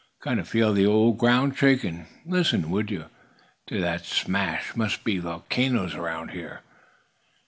"I c'n feel the old ground shake! Listen, would you, to that smash! Must be volcanoes around here."